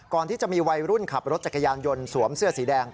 ก่อนที่จะมีวัยรุ่นขับรถจักรยานยนต์สวมเสื้อสีแดง